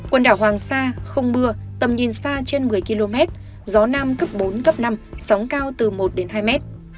quần đảo hoàng sa không mưa tầm nhìn xa trên một mươi km gió nam cấp bốn cấp năm sóng cao từ một đến hai mét